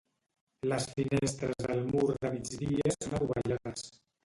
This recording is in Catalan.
Les finestres del mur de migdia són adovellades.